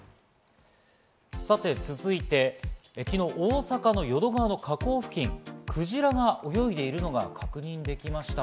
続いて昨日、大阪の淀川の河口付近、クジラが泳いでいるのが確認できました。